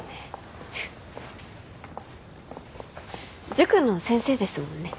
塾の先生ですもんね。